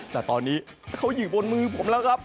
แต่ตอนนี้ถ้าเขาอยู่บนมือผมแล้วครับ